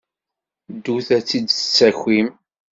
Ddut ad tt-id-tessakim.